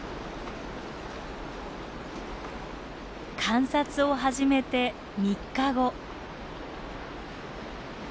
観察を始めて３日後。